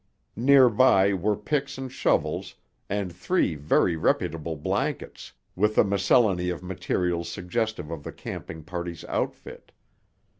Near by were picks and shovels and three very reputable blankets, with a miscellany of materials suggestive of the camping party's outfit.